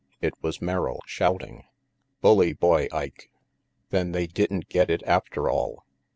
It was Merrill, shouting: " Bully boy, Ike. Then they didn't get it after all."